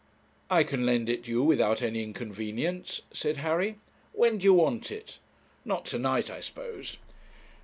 'I can lend it you without any inconvenience,' said Harry. 'When do you want it not to night, I suppose?'